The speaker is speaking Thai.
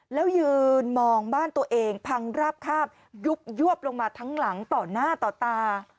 แล้วยืนมองบ้านตัวเองพังราบคาบยุบยวบลงมาทั้งหลังต่อหน้าต่อตา